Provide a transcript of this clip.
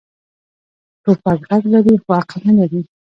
توپک غږ لري، خو عقل نه لري.